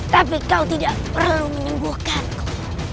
tapi kau tidak perlu menyembuhkanku